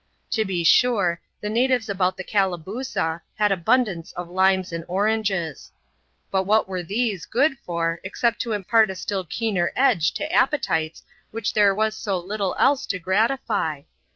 To be sure, the natives about the Calabooza, had abundance of limes and oranges ; but what were these good for, except to impart a still keener edge to appetites which ther6 was so little else to gratify